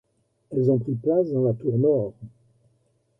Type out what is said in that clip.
Elles ont pris place dans la tour nord.